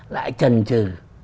lại trần trừ